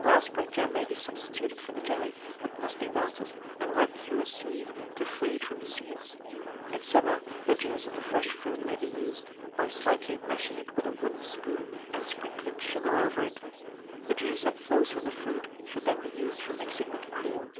Raspberry jam may be substituted for the jelly, but must be melted, and rubbed through a sieve, to free it from seeds: in summer, the juice of the fresh fruit may be used, by slightly mashing it with a wooden spoon, and sprinkling sugar over it; the juice that flows from the fruit should then be used for mixing with the cream.